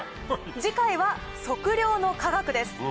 次回は測量の科学です。